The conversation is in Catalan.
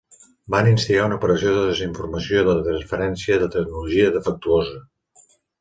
Van instigar una operació de desinformació i de transferència de tecnologia defectuosa.